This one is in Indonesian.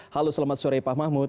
halo selamat sore pak mahmud